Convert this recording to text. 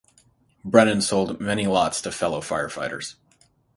Brennan sold many lots to fellow firefighters.